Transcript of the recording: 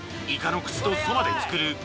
［イカの口とそばで作る］